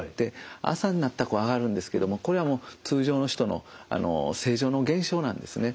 朝になったら上がるんですけどもこれは通常の人の正常の現象なんですね。